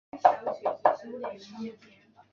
无须进行第二轮投票。